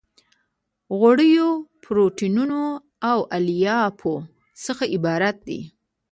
غوړیو پروتینونو او الیافو څخه عبارت دي.